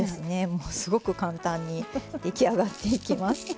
もうすごく簡単に出来上がっていきます。